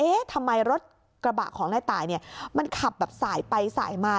ทำไมรถกระบะของนายตายเนี่ยมันขับแบบสายไปสายมา